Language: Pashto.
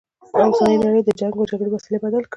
اوسنۍ نړی د جنګ و جګړې وسیلې بدل کړي.